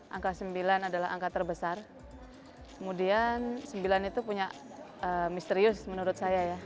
angka sembilan adalah angka terbesar kemudian sembilan itu punya misterius menurut saya ya